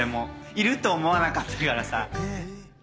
いると思わなかったからさ。